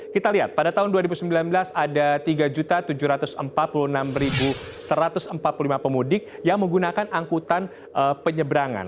kita lihat pada tahun dua ribu sembilan belas ada tiga tujuh ratus empat puluh enam satu ratus empat puluh lima pemudik yang menggunakan angkutan penyeberangan